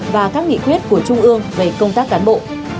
và các nghị quyết của trung ương về công tác cán bộ